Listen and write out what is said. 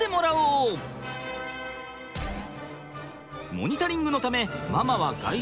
モニタリングのためママは外出。